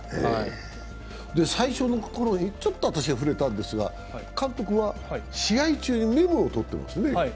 最初の頃に私がちょっと触れたんですが、監督は試合中にメモをとってますね。